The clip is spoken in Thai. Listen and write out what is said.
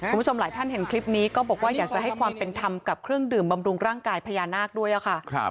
คุณผู้ชมหลายท่านเห็นคลิปนี้ก็บอกว่าอยากจะให้ความเป็นธรรมกับเครื่องดื่มบำรุงร่างกายพญานาคด้วยค่ะ